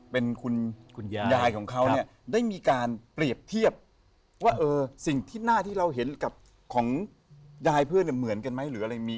เป็นคุณยายของเขาเนี่ยได้มีการเปรียบเทียบว่าสิ่งที่หน้าที่เราเห็นกับของยายเพื่อนเหมือนกันไหมหรืออะไรอย่างนี้